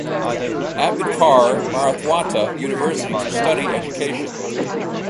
Ambedkar Marathwada university to study education.